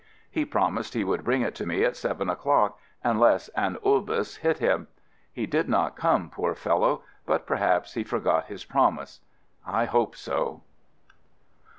He promised he would bring it to me at seven o'clock, unless an "obus" hit him. He did not come, poor fellow, but perhaps he forgot his promise. I hope so.